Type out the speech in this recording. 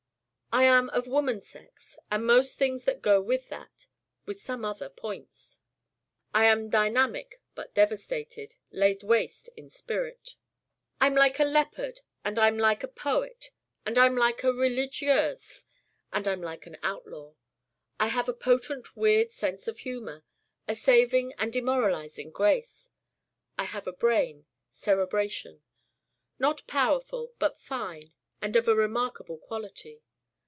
I am of woman sex and most things that go with that, with some other pointes. I am dynamic but devasted, laid waste in spirit. I'm like a leopard and I'm like a poet and I'm like a religieuse and I'm like an outlaw. I have a potent weird sense of humor a saving and a demoralizing grace. I have brain, cerebration not powerful but fine and of a remarkable quality.